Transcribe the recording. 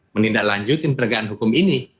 menindaklanjutkan pendagangan hukum ini